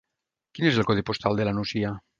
Quin és el codi postal de la Nucia?